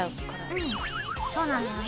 うんそうなんだよね。